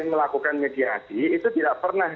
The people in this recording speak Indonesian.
melakukan media di itu tidak pernah